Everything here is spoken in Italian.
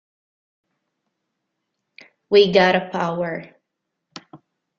We Gotta Power